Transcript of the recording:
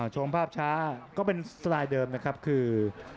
ชมภาพช้าก็เป็นสไตล์เดิมนะครับคือ